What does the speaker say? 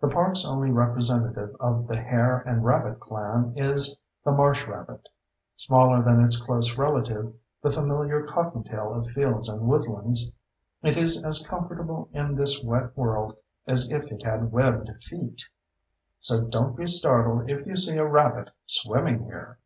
The park's only representative of the hare and rabbit clan is the marsh rabbit; smaller than its close relative, the familiar cottontail of fields and woodlands, it is as comfortable in this wet world as if it had webbed feet. So don't be startled if you see a rabbit swimming here!